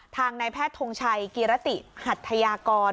ทางนายแพทย์ทงชัยกิรติหัทยากร